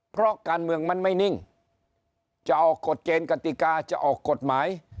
เพราะการเมืองมันไม่นิ่งจะออกกฎเกณฑ์กติกาจะออกกฎหมาย